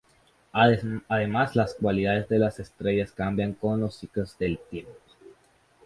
Además, las cualidades de las estrellas cambian con los ciclos del tiempo.